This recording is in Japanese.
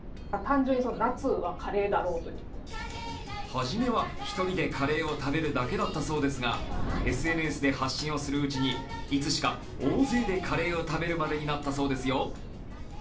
はじめは１人でカレーを食べるだけだったそうですがＳＮＳで発信をするうちに、いつしか大勢でカレーを食べるまでになったそうですよ。